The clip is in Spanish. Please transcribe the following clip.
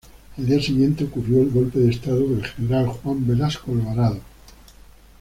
Al día siguiente ocurrió el golpe de Estado del general Juan Velasco Alvarado.